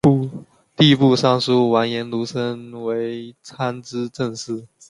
吏部尚书完颜奴申为参知政事。